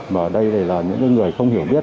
và đây là những người không hiểu biết